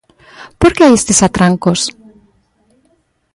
¿Por que hai estes atrancos?